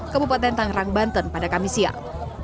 kabupaten tangerang banten pada kamis siang